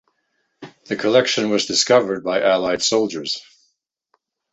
The collection was discovered by Allied soldiers.